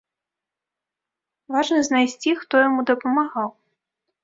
Важна знайсці, хто яму дапамагаў.